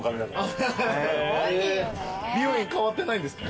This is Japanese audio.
美容院変わってないんですか？